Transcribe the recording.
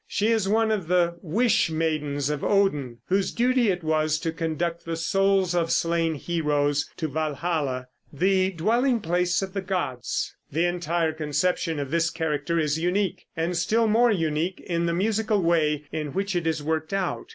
She is one of the Wish maidens of Odin, whose duty it was to conduct the souls of slain heroes to Walhalla, the dwelling place of the gods. The entire conception of this character is unique, and still more unique in the musical way in which it is worked out.